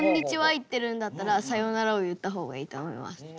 言ってるんだったら「さようなら」を言った方がいいと思います。